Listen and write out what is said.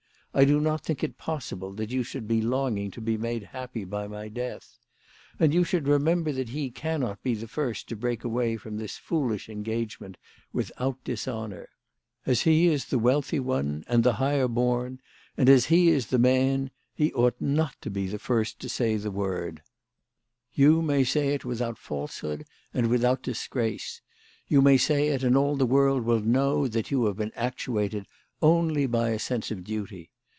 I do not think it possible that you should be longing to be made happy by my death. And you should remember that he cannot be the first to break away from this foolish engagement without dishonour. As he is the wealthy one, and the higher born, and as he is the man, he ought not to be the first to say the word. M 162 THE LADY OF LATOAY. You may say it without falsehood and without dis grace. You may say it, and all the world will know that you have been actuated only by a sense of duty.